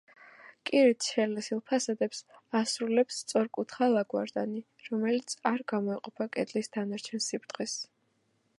კირით შელესილ ფასადებს ასრულებს სწორკუთხა ლავგარდანი, რომელიც არ გამოეყოფა კედლის დანარჩენ სიბრტყეს.